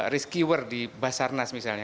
riskier di basarnas misalnya